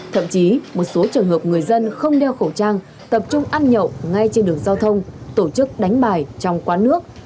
thậm chí một số trường hợp người dân không đeo khẩu trang tập trung ăn nhậu ngay trên đường giao thông tổ chức đánh bài trong quán nước